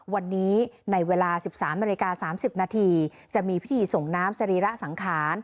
วันนี้ในเวลา๑๓๓๐นจะมีพิธีส่งน้ำสรีละสังขาร